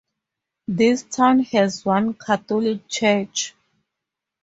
This town has one Catholic church.